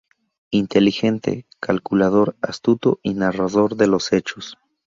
Inteligente, calculador, astuto y narrador de los hechos.